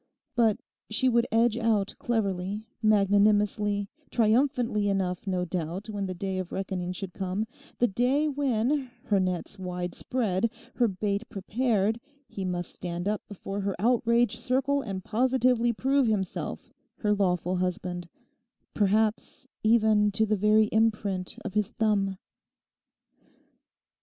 But she would edge out cleverly, magnanimously, triumphantly enough, no doubt, when the day of reckoning should come, the day when, her nets wide spread, her bait prepared, he must stand up before her outraged circle and positively prove himself her lawful husband, perhaps even to the very imprint of his thumb.